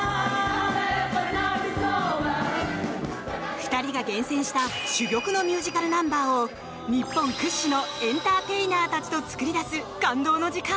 ２人が厳選した珠玉のミュージカルナンバーを日本屈指のエンターテイナーたちと作り出す感動の時間。